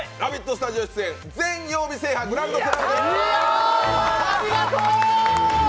スタジオ出演全曜日制覇、グランドスラム達成です！